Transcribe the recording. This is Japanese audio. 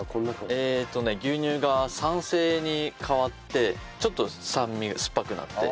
えっとね牛乳が酸性に変わってちょっと酸味酸っぱくなって。